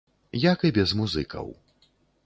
Як і без музыкаў.